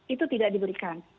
itu tidak diberikan